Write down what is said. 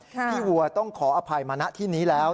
พี่วัวต้องขออภัยมาณที่นี้แล้ว